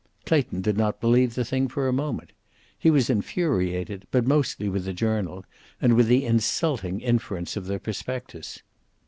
Clayton did not believe the thing for a moment. He was infuriated, but mostly with the journal, and with the insulting inference of the prospectus.